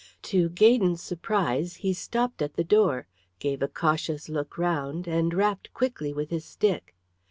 To Gaydon's surprise he stopped at the door, gave a cautious look round, and rapped quickly with his stick.